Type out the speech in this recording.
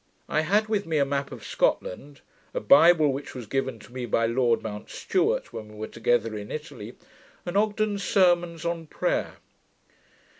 I had with me a map of Scotland, a Bible, which was given me by Lord Mountstuart when we were together in Italy, and Ogden's Sermons on Prayer.